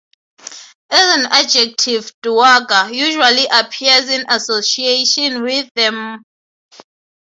As an adjective, "dowager" usually appears in association with monarchical and aristocratic titles.